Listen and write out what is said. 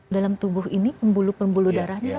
dalam tubuh ini pembuluh pembuluh darahnya apa